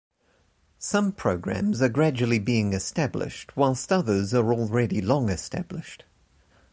Some programmes are gradually being established, whilst others are already long established.